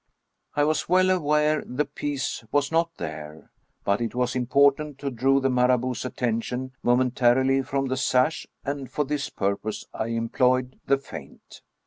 I was well aware the piece was not there, but it was important to draw the Marabout's attention momentarily from the sash, and for this purpose I employed the feint.